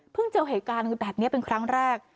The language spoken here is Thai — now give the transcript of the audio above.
เจอเหตุการณ์แบบนี้เป็นครั้งแรก